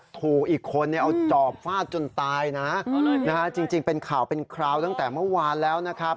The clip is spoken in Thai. ทูอีกคนเนี่ยเอาจอบฟาดจนตายนะฮะนะฮะจริงจริงเป็นข่าวเป็นคราวตั้งแต่เมื่อวานแล้วนะครับ